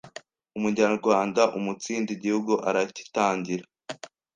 Umunyarwanda uumunsinda Igihugu arakitangira.